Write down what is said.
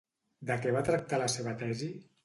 De què va tractar la seva tesi?